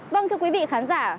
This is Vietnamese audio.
vâng thưa quý vị khán giả